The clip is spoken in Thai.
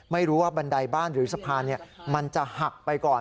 ไม่รู้ว่าบันไดบ้านหรือสะพานจะหักไปก่อน